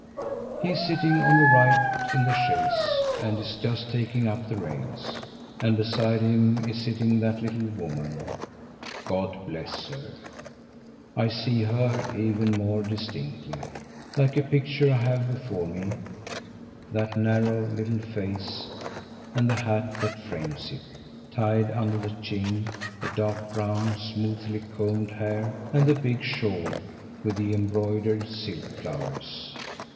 He is sitting on the right in the chaise and is just taking up the reins, and beside him is sitting that little woman. God bless her! I see her even more distinctly. Like a picture I have before me that narrow, little face, and the hat that frames it, tied under the chin, the dark brown, smoothly combed hair, and the big shawl with the embroidered silk flowers.